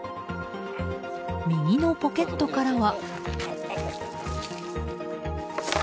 右のポケットからは。